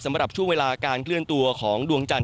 สำหรับช่วงเวลาการเคลื่อนตัวของดวงจันท